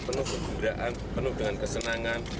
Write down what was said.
penuh kegembiraan penuh dengan kesenangan